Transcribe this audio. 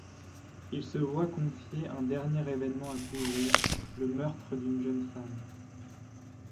Il se voit confier un dernier événement à couvrir, le meurtre d'une jeune femme.